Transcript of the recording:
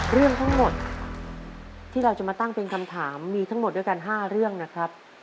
เรื่องทั้งหมดที่เราจะมาตั้งเป็นคำถามมีทั้งหมดด้วยกัน๕เรื่องนะครับ